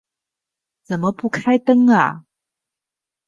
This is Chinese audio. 怎么不开灯啊